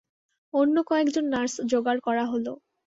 অন্য কয়েকজন নার্স জোগাড় করা হল।